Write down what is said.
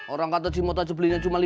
orang kata jimot aja belinya cuma lima juta